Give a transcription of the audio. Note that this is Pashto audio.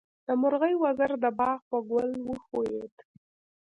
د مرغۍ وزر د باغ په ګل وښویېد.